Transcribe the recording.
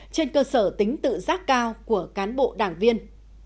trên cơ sở tính tự giác cao của cán bộ đảng viên